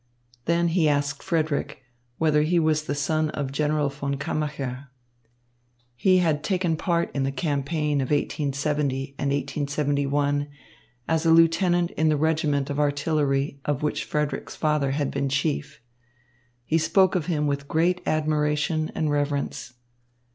Then he asked Frederick whether he was the son of General von Kammacher. He had taken part in the campaign of 1870 and 1871 as lieutenant of the regiment of artillery of which Frederick's father had been chief. He spoke of him with great admiration and reverence.